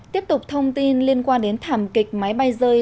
tiếp tục thông tin liên quan đến thảm kịch máy bay rơi